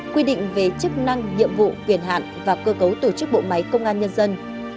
quy định về chức năng nhiệm vụ quyền hạn và cơ cấu tổ chức bộ máy công an nhân dân